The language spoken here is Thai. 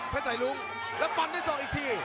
แพทย์ใส่รุ้งแล้วฟันได้สดอีกที